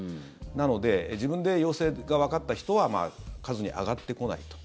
なので自分で陽性がわかった人は数に上がってこないと。